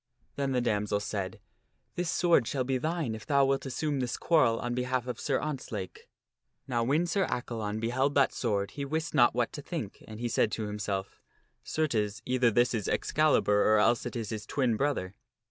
Then the damoiselle said, " This sword shall be thine if thou wilt assume this quarrel upon behalf of Sir Ontzlake." Now when Sir Accalon beheld that sword he wist not what to think, and he said to himself, " Certes, either this is Excalibur or else it is his twin brother."